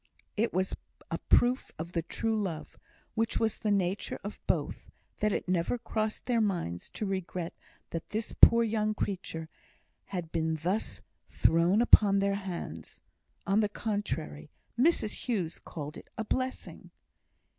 It was a proof of the true love, which was the nature of both, that it never crossed their minds to regret that this poor young creature had been thus thrown upon their hands. On the contrary, Mrs Hughes called it "a blessing."